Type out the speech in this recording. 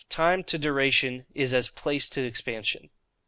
Time to Duration is as Place to Expansion.